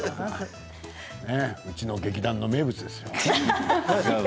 うちの劇団の名物ですよ。